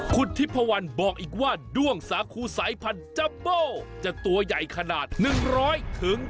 คุณทิพพวันบอกอีกว่าด้วงสาครูสายผันจับโบ้จากตัวใหญ่ขนาดหนึ่งร้อยถึง